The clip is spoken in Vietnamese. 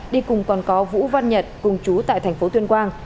đi cùng còn có vũ văn nhật cùng chú tại thành phố tuyên quang